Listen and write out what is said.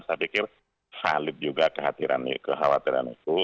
saya pikir valid juga kekhawatiran itu